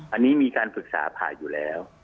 อันนี้มีการปรึกษาผ่าอยู่แล้ว